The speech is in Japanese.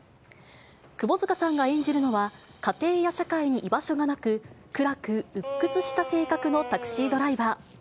窪塚さんが演じるのは、家庭や社会に居場所がなく、暗くうっ屈した性格のタクシードライバー。